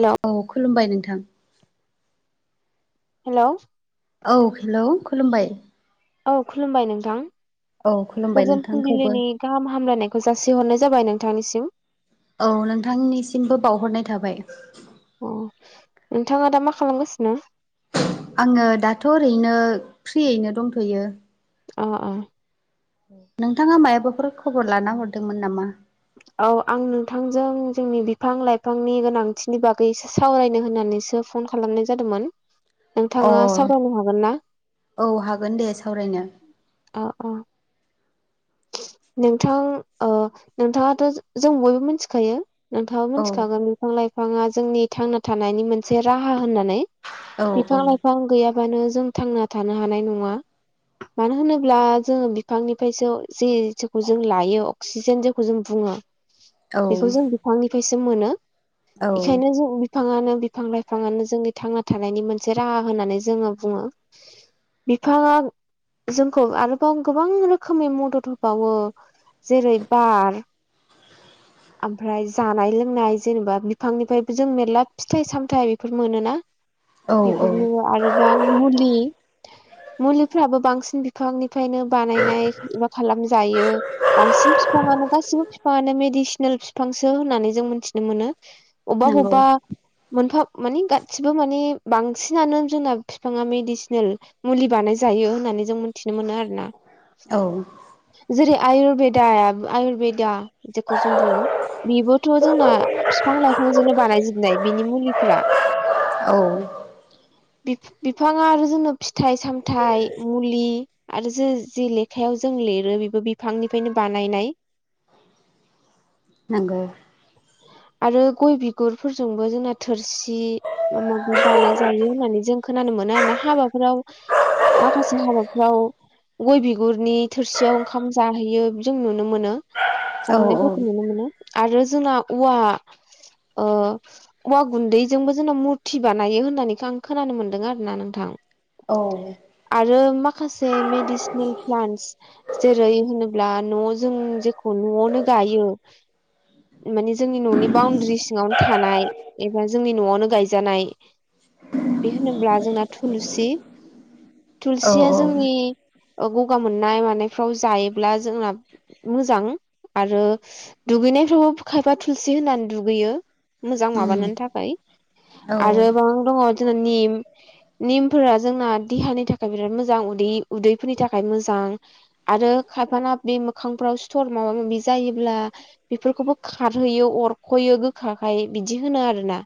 Hello औ खुलुमबाय नोंथां। हेल'। औ हेल' खुलुमबाय। औ खुलुमबाय नोंथां। औ खुलुमबाय गोजोन नोंथांखौबो फुंबिलिनि गाहाम हामलायनायखौ जासिहरनाय जाबाय नोंथांनिसिम। औ नोंथांनिसिमबो बावहरनाय थाबाय। अ नोंथाङा दा मा खालामगासिनो? आङो दाथ' ओरैनो फ्रियैनो दंथ'यो। अ अ नोंथाङा मायाबाफोर खबर लाना हरदोंमोन नामा? औ आं नोंथांजों जोंनि बिफां लाइफांनि गोनांथिनि बागै एसे सावरायनो होननानै होननानैसो फन खालामनाय जादोंमोन अ नोंथाङा सावरायनो हागोन ना? औ हागोन दे सावरायनो अ अ नोंथां ओ नोंथाङाथ' जों बयबो मिथिखायो। नोंथाङाबो औ मिथिखागोन बिफां लाइफाङा जोंनि थांना थानायनि मोनसे राहा होननानै औ बिफां औ लाइफां गैया बांनो जों थांना थानो हानाय नङा मानो होनोब्ला जोङो बिफांनिफ्रायसो जे जेखौ जों लायो अक्सिजेन जेखौ जों बुङो औ बेखौ जों बिफांनिफ्राय मोनो औ बेखायनो जों बिफांनो बिफां लाइफाङानो जोंनि थांना थानायनि मोनसे राहा होननानै जोङो बुङो बिफाङा जोंखौ आरोबाव गोबां रोखोमै मदद जेरै बार ओमफ्राय जानाय लोंनाय जेनेबा बिफांनिफ्रायबो जों मेरला फिथाइ सामथाय बेफोर मोनोना औ औ बेफोरनो आरोबां मुलि मुलिफ्राबो बांसिन बिफां फ्रायनो बानायनाया जायो बांसिन बिफाङानो गासिबो बिफाङानो मेडिसिनेल बिफांसो होननानै जों मिथिनो मोनो अबेबा नंगौ बबेबा मोनफा माने गासिबो माने बांसिनानो जोंना बिफाङा मेडिसिनेल मुलि बानाय जायो होननानै जों मिथिनो मोनो आरो ना औ जेरै आयुरवेदा आयुरवेदा जेखौ जों बुङो बेबोथ' जोंना बिफां लाइफांजोंनो बानायजोबनाय बिनि मुलिफ [inaudible] [inaudible] [unintelligible] बिफाङा आरो जोंनो फिथाइ सामथायाइ मुलि आरो जों जि लेखायाव जों लिर बेबो बिफांनिफ्रायनो बानायनाय नोंगौ [inaudible] आरो गय बिगुरफोरजोंबो जोंना थोरसि माबा माबि बानाय जायो होननानै जों खोनानो मोन हाबाफोराव माखासे हाबाफ्राव गय बिगुरनि थोरसियाव ओंखाम जाहैयो जों नुनो मोनो औ औ जाहैनायफोरखौ नुनो मोनो आरो जोंना औवा औवा गुन्दैजोंबो जों' मुरथि बानायो होननानैखौ आं खोनानो मोनदों आरो ना नोंथां। औ आरो माखासे मेडिसिनेल प्लान्टस जेरै होनोब्ला न' जों जेखौ न'आवनो गायो मानि जोंनि न'नि बाउणड्रि सिङावनो थानाय एबा जोंनि न'आवनो गायजानाय बे होनोब्ला जोंना थुलसि औ थुलसिया जोंनि ओ गगा मोननाय मानायफ्राव जायोब्ला जोंना मोजां आरो दुगैनायफ्रावाबो खायफा थुलसि होनानै दुगैयो मोजां उम माबानि थाखाय औ आरो ब दङ [unintelligible] निमफोरा जोंना देहानि थाखाय बिराद मोजां उदै - उदैफोरनि थाखाय मोजां आरो खायफाना बे मोखांफोराव सिथ'र माबा माबि जायोब्ला बेफोरखौबो खारहैयो अरख'यो गोखााखाय बिदि होनो आरोना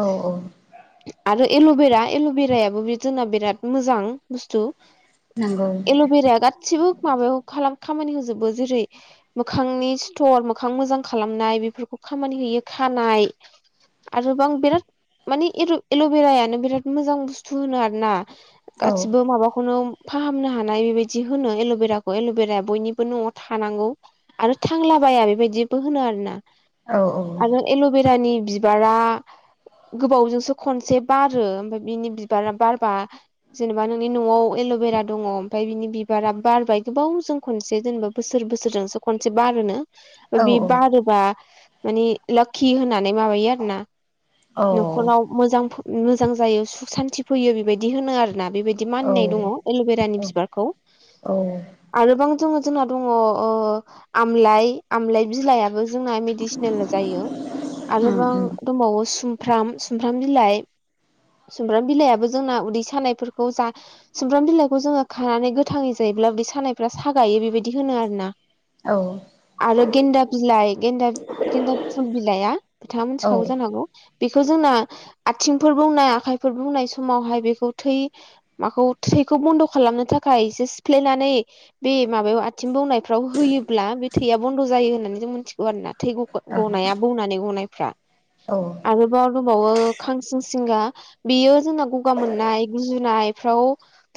औ औ आरो एल'बेरा एल'बेरायाबो बि जोंना बिराद मोजां बुस्थु नंगौ एल'बेराया गाथि बो माबायाव खालाम खामानि होजोबो जेरै मोखांनि सिथ'र मोखां मोजां खालामनाय बेफोरखौ खामानि होयो खानाय आरोबां बिराद माने एल' एल'बेरायानो बिराद मोजां बुस्थु होनो आरोना औ गासिबो माबाखौनो फाहामनो हानाय बेबायदि होनो एल'बेराखौ एल'बेराया बयनिबो न'आव थानांगौ आरो थांला [unintelligible] बेबायदिबो होनो आरो ना औ औ [unintelligible] बिबारा गोबावजोंसो खनसे बारो ओमफ्राय बिनि बिबारा बारबा जेनेबा नोंनि न'आव एल'बेरा दङ ओमफ्राय बिनि बिबारा बारबाय गोबाव जों खनसे जेनेबा बोसोर बोसोरजोंसो खनसे बारोनो बे बारोबा मानिे लाकि होननानै माबायो आरो ना औ न'खराव मोजां मोजां जायो सुख सान्थि फैयो बेबायदि होनो आरो ना बेबायदि औ मानिनाय दङ औ एल'बेरानि बिबारखौ औ आरोबां दङ जोंना दङ आमलाइ आमलाइ बिलायाबो जोंना मेडिसिनेल जायो आरोबां उम दंबावो सुमफ्राम सुमफ्राम बिलाइ सुमब्राम बिलायाबो जोंना उदै सानायफोरखौ जा सुमब्राम बिलाइखौ जोङो खानानै गोथाङै जायो ब्ला उदै सानायफ्रा सागायो बेबायदि होनो आरो ना औ आरो गेन्दा बिलाइ गेन्दा गेन्दा फुल बिलाइआ बिथाङा औ मोनथिखागौ जानोहागौ बेखो जोंना आथिंफोर बौनाय आखाइफोर बौनाय समावहाय बेखौ थै माखौ थैखौ बन्द' खालामनो थाखाय एसे सिफ्लेनानै बे माबायाव आथिं बौनायफ्राव होयोब्ला थैया बन्द' जायो होननानै जों मिथिगौ आरोना थै ग ग'नाया बौनानै ग'नायफ्रा औ आरोबाव दंबावो खांसिं सिंगा बेयो जोंना ग'गा मोननाय गुजुनाय फ्राव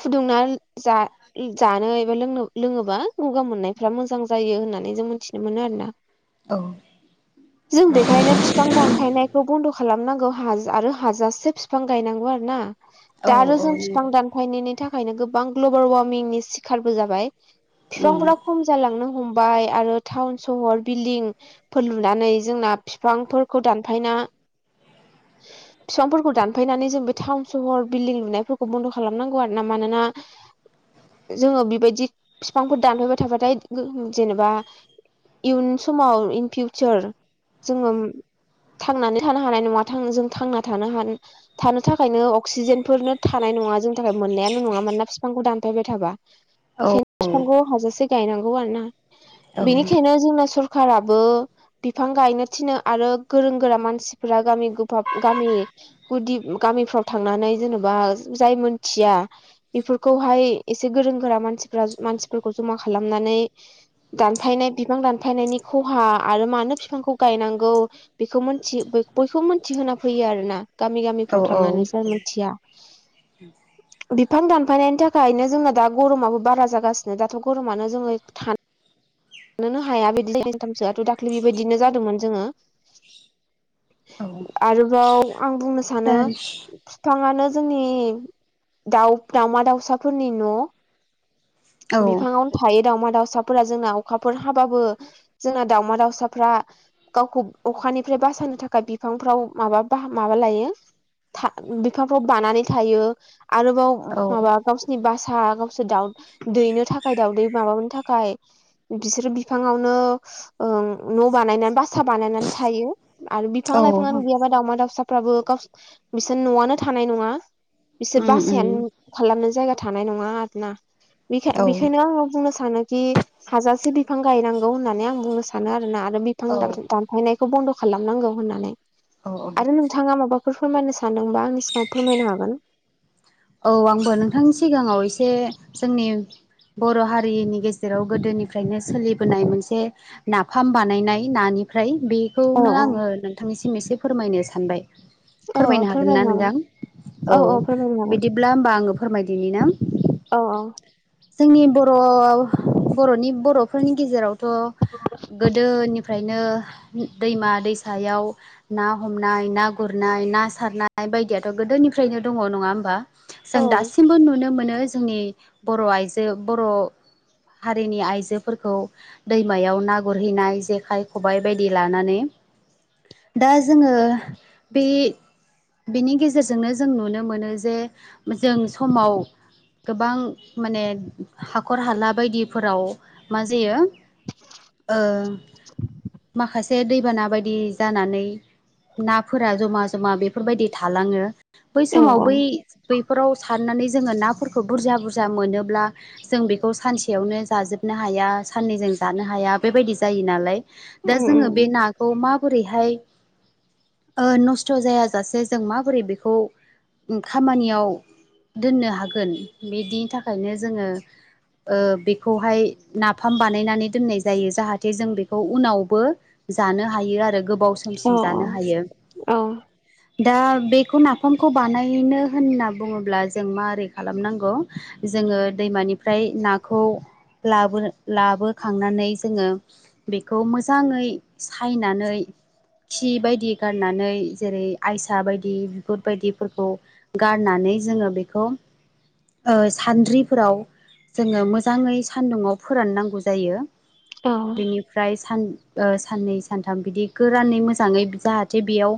फुदुंना जा जानो एबा लोंनो लोङोबा ग'गा मोननायफ्रा मोजां जायो होननानै जों मिनथिनो मोनो आरो ना औ [inaudible] जों बेखायनो फिफां दानफायनायखौ बन्द' खालामनांगौ हा आरो हाजासे फिफां गायनांगौ आरो ना। औ दा नंगौ आरो जों बिफां दानफायनायनि थाखायनो गोबां ग्ल'बेल वार्मिंनि सिखारबो जाबाय। उम फिफांफोरा खम जालांनो हमबाय आरो टाउन सहर बिल्डिंफोर लुनानै जोंना फिफांफोरखौ दानफायना बिफांफोरखौ दानफायनानै जों बे टाउन सहर बिल्डिं लुनायफोरखौ बन्द' खालामनांगौ आरो ना मानो ना जोङो बिबायदि फिफांफोर दानहोबाय थाबाथाय जेनेबा इयुन समाव इन फिउचार जोङो थांनानै थानो हानाय नङा थां जों थांना थानो हानो थाखायनो अक्सिजेनफोरनो थानाय नङा जोंनि थाखाय मोननायानो नङा मानोना फिफांखौ दानफायबाय थाबा। औ बेखायनो फिफांखौ हाजासे गायनांगौ आरो ना औ बेनिखायनो जोंना सर खाराबो बिफां गायनो थिनो आरो गोरों गोरा मानसिफोरा गामि गोफाब गामि गुदि गामिफ्राव थांनानै जेनेबा जाय मोनथिया बेफोरखौहाय एसे गोरों गोरा मानसि फोरा मानसिफोरखौ जमा खालामनानै दानफायनाय बिफां दानफायनायनि खहा आरो मानो बिफांखौ गायनांगौ बेखौ मोन्थि बयखौबो मिथिहोना फैयो आरो ना गामि औ गामिफ्राव थांनानै जाय मोनथिया। बिफां दानफायनायनि थाखायनो जोंना दा गरमाबो बारा जागासिनो दाथ' गरमानो जोङो था नोनो हाया [inaudible] दाख्लै बेबायदिनो जादोंमोन जोङो। औ। आरोबाव आं बुंनो सानो फिफाङानो जोंनि दाव दावमा दाउसाफोरनि न'। बिफाङावनो थायो दाउमा दाव साफोरा जोंना अखाफोर हाबाबो जोंना दाउमा दाउसाफ्रा गावखौ अखानिफ्राय बा सायनो थाखाय बिफांफ्राव माबा बाहा माबा लायो था बिफांफ्राव बानानै थायो। आरोबाव औ माबा गावसिनि बासा गावसोर दाउ दैनो थाखाय दाउदै माबानो थाखाय बिसोरो बिफांआवनो ओ न' बां बानायना बासा बानायनानै थायो आरो बिफां औ लाइफांआनो गैयाबा दाउमा दाउसाफ्राबो गाव बिसोर न'आनो थानाय नङा। बिसोर उम बासायानो खालामनो जायगा थानाय नङा आरोना बेखाय औ बेखायनो आङो बुंनो सानो खि हाजासे बिफां गायनांगौ होननानै आं बुंनो सानो आरोना आरो बिफां औ दानफायनाय खौ बन्द' खालामनांगौ होन्नानै औ औ आरो नोंथाङा माबा फोर फोरमायनो सानदोंबा आंनि सिगाङाव फोरमायनो हागोन। औ आंबो नोंथांनि सिगाङाव एसे जोंनि बर' हारिनि गेजेराव गोदोनिफ्रायनो सोलिबोनाय मोनसे नाफाम बानायनाय नानिफ्राय औ बेखौनो औ आङो नोंथांनिसिम एसे फोरमायनो सानबाय। औ औ फोरमायनो हागोन्ना हागोन नोंथां? औ बिदिब्ला ओम्बा आङो फोरमायदिनि ना? अह अह। जोंनि बर' बर'नि बर'फोरनि गेजेरावथ' गोदोनि फ्रायनो दैमा दैसायाव ना हमनाय ना गुरनाय ना सारनाय बायदियाथ' गोदोनिफ्रायनो दङ नङा होम्बा? जों औ दासिमबो नुनो मोनो जोंनि बर' आइजो बर' हारिनि आइजोफोरखौ दैमायाव ना गुरहैनाय जेखाइ खबाइ बायदि लानानै‌। दा जोङो बे बेनि गेजेरजोंनो जों नुनो मोनो जे जों समाव गोबां माने हाखर हाला बायदिफोराव मा जायो ओ माखासे दैबाना बायदि जानानै नाफोरा जमा जमा बेफोरबायदि थालाङो। बै औ समाव औ बै बैफोराव सारनानै जोङो नाफोरखौ बुरजा बुरजा मोनोब्ला जों बेखौ सानसेयावनो जाजोब नोहाया सान्नैजों जानो हाया बेबायदि जायोनलाय दा उम जोङो बे उम नाखौ मा बोरैहाय ओ नस्थजायाजासे जों माबोरै बेखौ खामानियाव दोननो हागोन बिदिनि थाखायनो जोङो ओ बेखौहाय नाफाम बानायनानै दोननाय जायो जाहाथे जों बेखौ उनावबो जानो हायो आरो गोबाव औ समसिम जानो हायो। औ दा बेखौ नाफामखौ बानाय नो होनना बुङोब्ला जों मारै खालामनांगौ जोङो दैमानिफ्राय नाखौ लाबोनो लाबोखांनानै जोङो बेखौ मोजाङै सायनानै खि बायदि गारनानै जेरै आयसा बायदि बिगुर बायदिफोरखौ गारनानै जोङो बेखौ ओ सान्द्रिफोराव जोङो मोजाङै सान्दुंङाव फोराननांगौ जायो। औ बेनिफ्राय सान ओ साननै सानथाम बिदि गोरानै मोजाङै जाहाथे बेयाव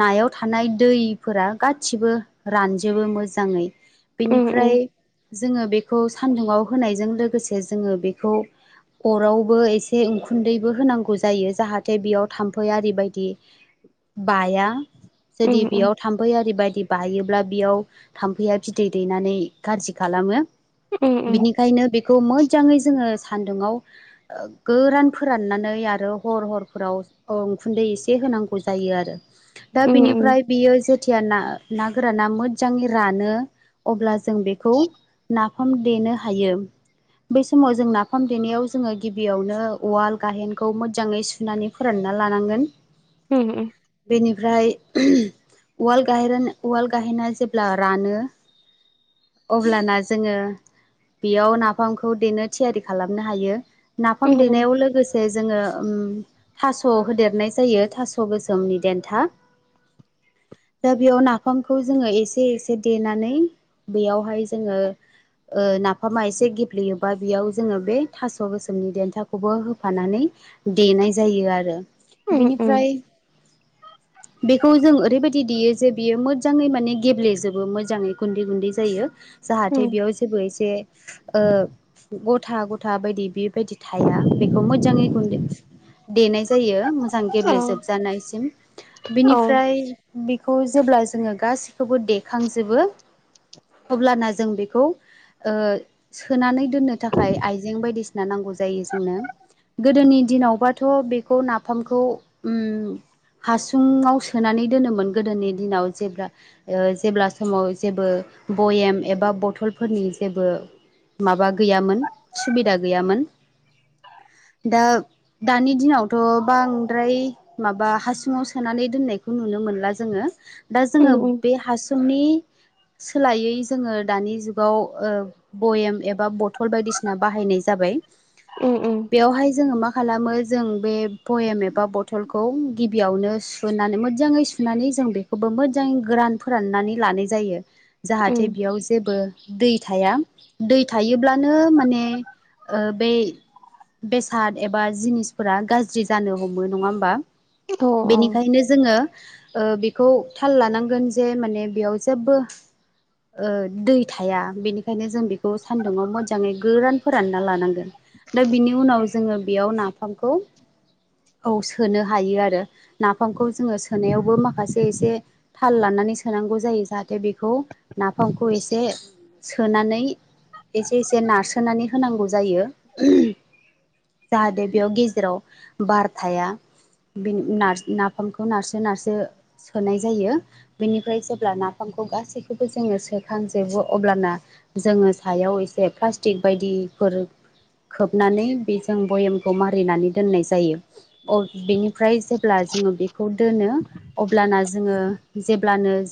नायाव थानाय दैफोरा गासिबो रानजोबो मोजाङै उम बेनिफ्राय उम जोङो बे बेखौ सान्दुंआव होनायजों लोगोसे जोंङो बेखौ अरावबो एसे उखुन्दैबो होनांगौ जायो जाहाथे बेयाव थाम्फै आरि बायदि बाया जुदि उम उम बेयाव थाम्फै आरि बायदि बायो ब्ला बेयाव थामफैया बिदै दैनानै गाज्रि खालामो उम उम बिनिखायनो बे खौ मोजाङै जोङो सान्दुङाव गोरान फोराननानै आरो हर हरफोराव औ उखुन्दै एसे होनांगौ जायो आरो दा उम उम बिनिफ्राय बियो जेथिया ना ना गोराना मोजाङै रानो अब्ला जों बेखौ नाफाम देनो हायो बै समाव जों नाफाम देनायाव जोङो गिबियावनो उवाल गाहेनखौ मोजाङै सुनानै फोरान ना लानांगोन उम उम बेनिफ्राय उम उवाल गाहेन उवाल गाहेना जेब्ला रानो अब्लाना जोङो बेयाव नाफामखौ देनो थियारि खालामनो हायो। नाफाम उम देनायाव लोगोसे जोङो उम थास' होदेरनाय जायो थास' गोसोमनि देन्था दा बेयाव नाफामखौ जोङो एसे एसे देनानै बेयावहाय जोङो ओ नाफामा एसे गेब्लेयोबा बेयाव जोङो बे थास' गोसोमनि देन्थाखौबो होफानानै देनाय जायो आरो उम बेनिफ्राय बेखौ जों ओरैबायदि देयो जे बियो मोजाङै माने गेब्लेजोबो मोजाङै गुन्दै गुन्दै जा जायो उम जाहाथे बेयाव जेबो एसे दे ओ गथा गथा बायदि बेबायदि थाया उम मोजाङै गुन्दै देनाय जायो मोजां औ गेब्लेेजोबजानायसिम औ बिनिफ्राय बेखौ जेब्ला जोङो गाससिखौबो देखांजोबो अब्लाना जों बेखौ ओ सोनानै दोननो थाखाय आइजें बायदिसिना नांगौ जायो जोंनो गोदोनि दिनावबाथ' बेखौ नाफामखौ उम हासुुंआव सोनानै दोनोमोन गोदोनि दिनाव जेब्ला ओ जेब्ला समाव जेबो भयेम एबा बथलफोरनि जेबो माबा गैयामोन सुबिदा गैयामोन [inaudible] दा दानि दिनावथ' बांद्राय माबा हासुङाव सोनानै दोननायखौ नुनो मोनला जोङो दा जोङो उम उम बे हासुंनि सोलायै जोङो दानि जुगाव ओ बयेम एबा बथल बायदिसिना बाहायनाय जाबाय। उम उम बेवहाय जोङो मा खालामो जों बे पयेम एबा बथलखौ गिबियावनो सुनानै मोजाङै सुनानै जों बेखौबो मोजां गोरान फोराननानै लानाय जायो उम जाहाथे बेयाव जेबो दै थाया दै थायोब्लानो माने ओ बे बेसाद एबा जिनिसफोरा गाज्रि जानो हमो नङा होमबा। औ औ बेनिखायनो जोङो ओ बेखौ थाल लानांगोन जे माने बेयाव जेबबो ओ दै थाया बेनिखायनो जों बेखौ सान्दुुंआव मोजाङै गोरान फोरानना लानांगोन। दा बिनि उनाव जोङो बेयाव नाफामखौ औ सोनो हायो आरो नाफामखौ जोङो सोनायावबो माखासे एसे थाल लानानै नानै सोनांगौ जायो जाहाथे बेखौ नाफामखौ एसे सोनानै एसे एसे नारसोनानै होनांगौ जायो उम जाहाथे बेयाव गेजेराव बार थाया बे नारसो नाफामखौ नारसो नारसो सोनाय जायो बेनिफ्राय जेब्ला नाफामखौ खौ गासैखौबो जोङो सोखांजोबो अब्लाना जोङो सायाव एसे प्लास्टिक बायदि फोर खोबनानै बेजों भयेमखौ मारिनानै दोननाय जायो बेनिफ्राय जेब्ला जोङो बेखौ दोनो अब्लाना जोङो जेब्लानो